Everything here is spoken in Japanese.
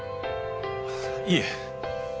いえ。